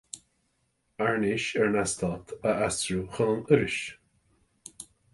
Airnéis ar an Eastát a aistriú chun an Fhorais.